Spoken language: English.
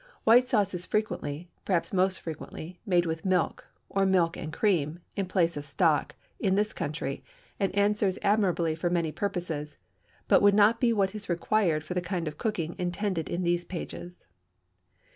White sauce is frequently (perhaps most frequently) made with milk, or milk and cream, in place of stock, in this country, and answers admirably for many purposes, but would not be what is required for the kind of cooking intended in these pages.